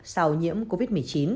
sau nhiễm covid một mươi chín